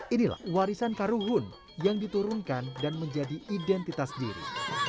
inilah warisan karuhun yang diturunkan dan menjadi identitas diri